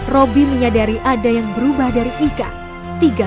robby menyadari ada yang berubah dari ika